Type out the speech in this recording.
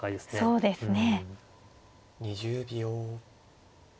そうですね。